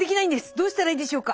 どうしたらいいでしょうか？」。